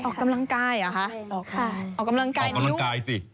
ออกกำลังกายเหรอฮะค่ะออกกำลังกายออกกำลังกายสิ